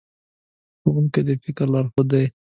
ښوونکي د فکر لارښود دي.